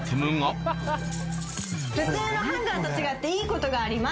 これ普通のハンガーと違っていいことがあります